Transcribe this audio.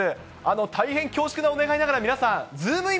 大変恐縮なお願いながら皆さん、ズームイン！！